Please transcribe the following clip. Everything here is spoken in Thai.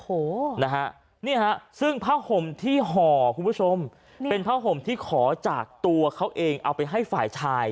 โอ้โหนะฮะนี่ฮะซึ่งผ้าห่มที่ห่อคุณผู้ชมเป็นผ้าห่มที่ขอจากตัวเขาเองเอาไปให้ฝ่ายชาย